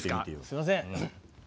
すいません。